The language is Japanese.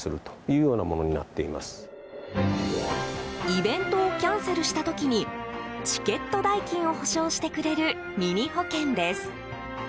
イベントをキャンセルした時にチケット代金を補償してくれるミニ保険です。